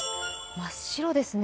真っ白ですね。